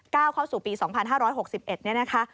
ก้าวเข้าสู่ปี๒๕๖๑นี้นะคะ